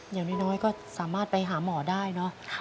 อย่างน้อยก็สามารถไปหาหมอได้เนอะ